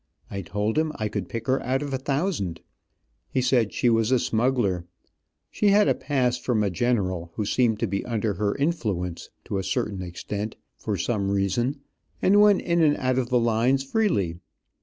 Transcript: I told him I could pick her out of a thousand. He said she was a smuggler. She had a pass from a general, who seemed to be under her influence to a certain extent, for some reason, and went in and out of the lines freely.